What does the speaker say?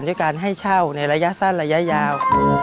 ด้วยการให้เช่าในระยะสั้นระยะยาว